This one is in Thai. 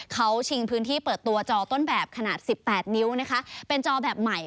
เขาชิงพื้นที่เปิดตัวจอต้นแบบขนาด๑๘นิ้วนะคะเป็นจอแบบใหม่